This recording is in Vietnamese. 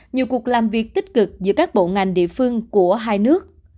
nhiều cuộc làm việc tích cực giữa các bộ ngành địa phương của hai nước